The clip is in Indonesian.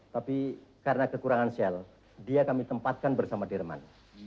tapi karena kekurangan sel dia kami tempatkan bersama dirman